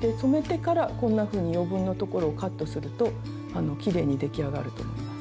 で留めてからこんなふうに余分のところをカットするときれいに出来上がると思います。